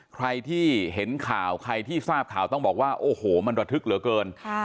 ใครที่เห็นข่าวใครที่ทราบข่าวต้องบอกว่าโอ้โหมันระทึกเหลือเกิน